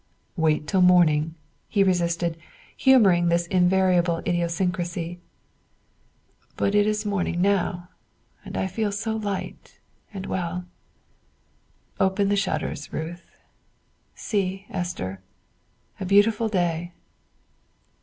"Wait till morning," he resisted, humoring this inevitable idiosyncrasy. "But it is morning now; and I feel so light and well. Open the shutters, Ruth; see, Esther; a beautiful day."